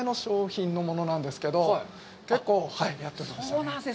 そうなんです。